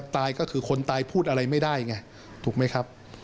ตายก็คือคนตายพูดอะไรไม่ได้ไงถูกไหมครับ